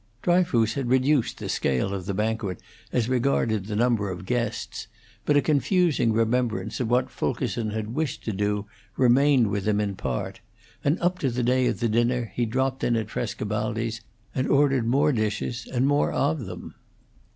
Dryfoos had reduced the scale of the banquet as regarded the number of guests, but a confusing remembrance of what Fulkerson had wished to do remained with him in part, and up to the day of the dinner he dropped in at Frescobaldi's and ordered more dishes and more of them.